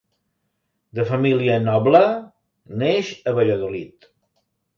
De família noble, neix a Valladolid.